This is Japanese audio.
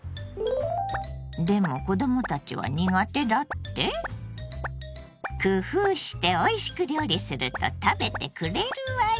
でも子供たちは苦手だって⁉工夫しておいしく料理すると食べてくれるわよ！